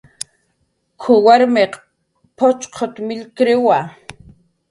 "K""uw warmiq p'uchquta millkiriwa "